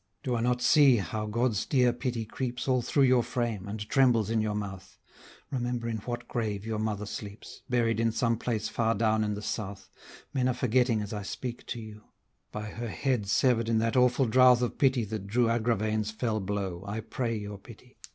Do I not see how God's dear pity creeps All through your frame, and trembles in your mouth? Remember in what grave your mother sleeps, Buried in some place far down in the south, Men are forgetting as I speak to you; By her head sever'd in that awful drouth Of pity that drew Agravaine's fell blow, I pray your pity!